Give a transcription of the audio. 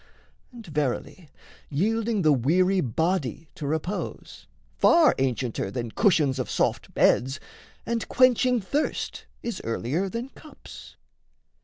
And, verily, Yielding the weary body to repose, Far ancienter than cushions of soft beds, And quenching thirst is earlier than cups.